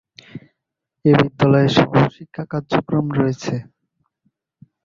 এ বিদ্যালয়ে সহ-শিক্ষা কার্যক্রম রয়েছে।